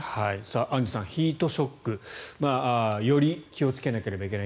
アンジュさんヒートショック。より気をつけなければいけない